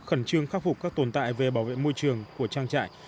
khẩn trương khắc phục các tồn tại về bảo vệ môi trường của trang trại